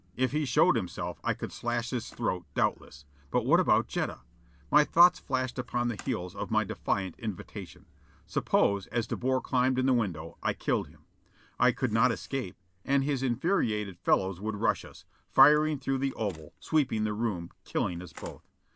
If he showed himself I could slash his throat, doubtless. But what about Jetta? My thoughts flashed upon the heels of my defiant invitation. Suppose, as De Boer climbed in the window, I killed him? I could not escape, and his infuriated fellows would rush us, firing through the oval, sweeping the room, killing us both.